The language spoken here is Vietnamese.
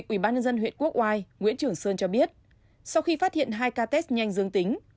ubnd huyện quốc oai nguyễn trưởng sơn cho biết sau khi phát hiện hai ca test nhanh dương tính